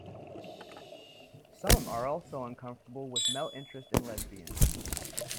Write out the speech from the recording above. Some are also uncomfortable with male interest in lesbians.